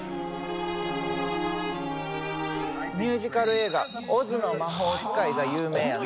ミュージカル映画「オズの魔法使」が有名やな。